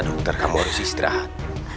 nanti kamu harus istirahat